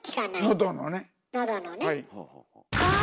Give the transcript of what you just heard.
のどのね。